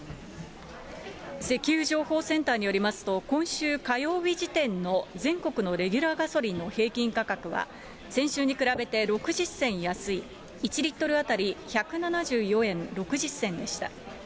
石油情報センターによりますと、今週火曜日時点の全国のレギュラーガソリンの平均価格は、先週に比べて６０銭安い、１リットル当たり１７４円６０銭でした。